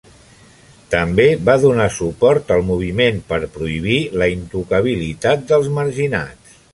També va donar suport al moviment per prohibir la '"intocabilitat dels marginats".